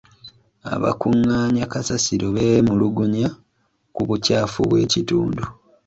Abakungaanya kasasiro beemulugunya ku bukyafu bw'ekitundu.